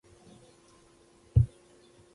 غول د هورموني بدلون نښه ده.